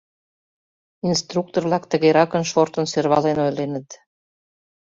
Инструктор-влак тыгеракын «шортын-сӧрвален» ойленыт.